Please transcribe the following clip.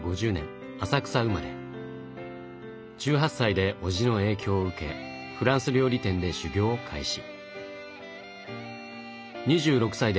１８歳でおじの影響を受けフランス料理店で修業を開始。